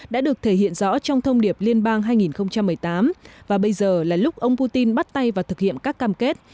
đã được thể hiện rõ trong thông điệp liên bang hai nghìn một mươi tám và bây giờ là lúc ông putin bắt tay vào thực hiện các cam kết